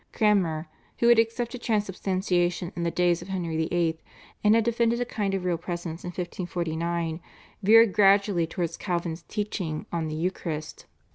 Cranmer, who had accepted Transubstantiation in the days of Henry VIII., and had defended a kind of Real Presence in 1549, veered gradually towards Calvin's teaching on the Eucharist.